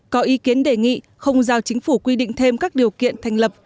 có ý kiến đề nghị không giao chính phủ quy định thêm các điều kiện thành lập